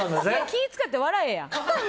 気い使って笑えや！